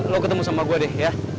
lo ketemu sama gue deh ya